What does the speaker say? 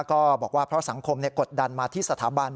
ก็บอกว่าเพราะสังคมกดดันมาที่สถาบัน